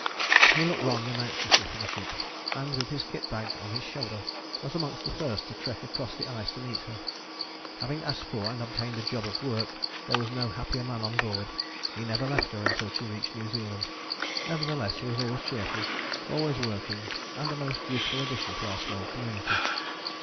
He looked long and anxiously for the ship, and with his kit bag on his shoulder was amongst the first to trek across the ice to meet her. Having asked for and obtained a job of work there was no happier man on board: he never left her until she reached New Zealand. Nevertheless he was always cheerful, always working, and a most useful addition to our small community.